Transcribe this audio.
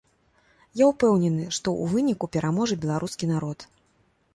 Я ўпэўнены, што ў выніку пераможа беларускі народ.